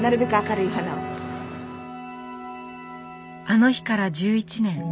あの日から１１年。